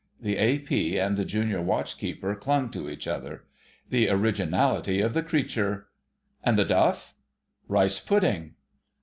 The A.P. and the Junior Watch keeper clung to each other. "The originality of the creature! And the duff?" "Rice pudding."